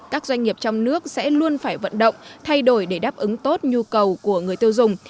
các doanh nghiệp trong nước sẽ luôn phải vận động thay đổi để đáp ứng tốt nhu cầu của người tiêu dùng